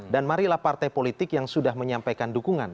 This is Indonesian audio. marilah partai politik yang sudah menyampaikan dukungan